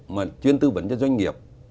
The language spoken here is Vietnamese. mà chuyên tư vấn cho doanh nghiệp